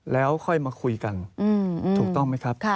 แล้วค่อยมาคุยกันถูกต้องไหมครับ